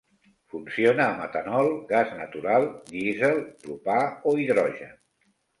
Funciona amb etanol, gas natural, dièsel, propà o hidrogen.